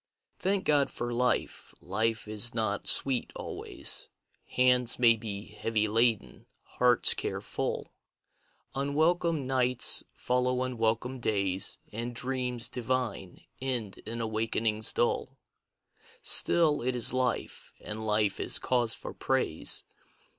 Thank God for life: life is not sweet always. Hands may he heavy laden, hearts care full, Unwelcome nights follow unwelcome days, And dreams divine end in awakenings dull. Still it is life, anil life is cause for praise.